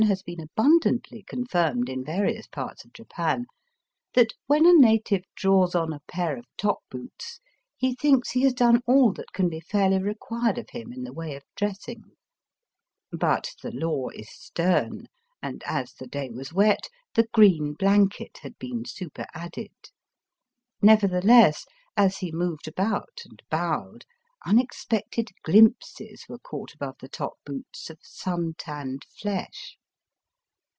189 has been abundantly confirmed in various parts of Japan — ^that when a native draws on a pair of top boots he thinks he has done all that can be faMy required of him in the way of dressing. But the law is stern, and as the day was wet the green blanket had been superadded. Nevertheless, as he moved about and bowed, unexpected glimpses were caught above the top boots of sun tanned flesh.